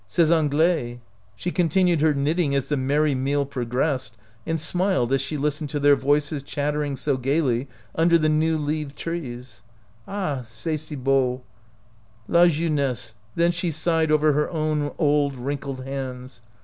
ces Anglais! " She con tinued her knitting as the merry meal pro gressed, and smiled as she listened to their voices chattering so gaily under the new leaved trees. "Ah! c y est si beau — la jeu nesse!" then she sighed over her own old wrinkled hands.